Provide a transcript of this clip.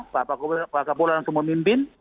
pak kapolda langsung memimpin